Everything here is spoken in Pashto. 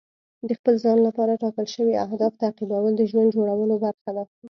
د خپل ځان لپاره ټاکل شوي اهداف تعقیبول د ژوند جوړولو برخه ده.